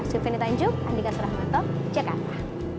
syufi nitanjuk andika seramanto jakarta